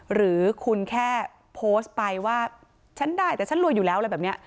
หรือคุณแค่โพสต์ไปว่าฉันได้แต่ฉันรวยอยู่แล้วอะไรแบบนี้